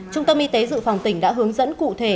trung tâm y tế dự phòng tỉnh đã hướng dẫn cụ thể